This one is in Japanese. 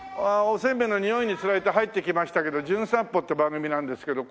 おせんべいのにおいに釣られて入ってきましたけど『じゅん散歩』って番組なんですけど。